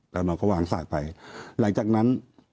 แล้วน้องก็วางสากไปหลังจากนั้น